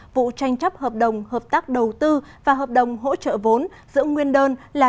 vụ tranh chấp hợp đồng hợp tác đầu tư và hợp đồng hỗ trợ vốn giữa nguyên đơn là